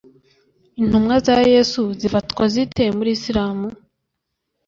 Intumwa za Yesu/Yezu zifatwa zite muri Isilamu